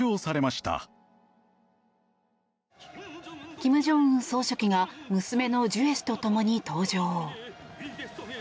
金正恩総書記が娘のジュエ氏とともに登場。